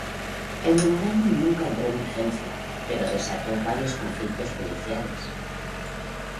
El memorándum nunca entró en vigencia, pero desató varios conflictos judiciales.